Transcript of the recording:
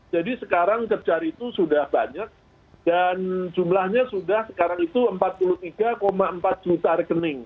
jadi sekarang kejar itu sudah banyak dan jumlahnya sudah sekarang itu empat puluh tiga empat juta rekening